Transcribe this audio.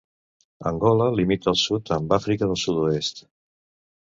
Angola limita al sud amb Àfrica del Sud-oest.